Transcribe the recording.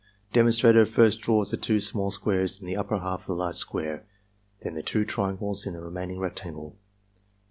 Demonstrator first draws the two small squares in the upper half of the large square, then the two triangles in the remaining rectangle.